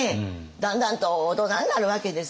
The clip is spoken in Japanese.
だんだんと大人になるわけですわ。